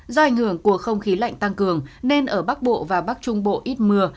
do ảnh hưởng của không khí lạnh tăng cường nên ở bắc bộ và bắc trung bộ ít mưa